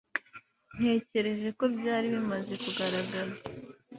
Natekereje ko byari bimaze kugaragara